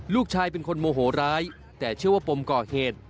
ลูกชายเป็นคนโมโหร้ายแต่เชื่อว่าปมก่อเหตุ